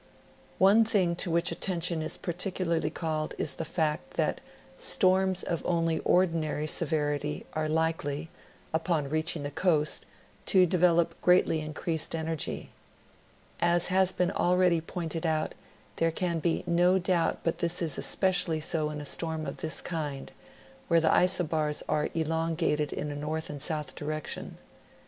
One thing to which attention is particularly called is the fact that storms of only ordinary severity are likely, upon reaching the coast, to develop greatly increased energy. As has been already pointed out, there can be no doubt but that this is espe cially so in a storm of this kind, where the isobars are elongated in a north and south direction.